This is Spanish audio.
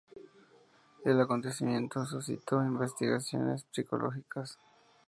El acontecimiento suscitó investigaciones psicológicas.